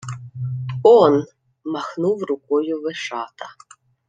— Он! — махнув рукою Вишата.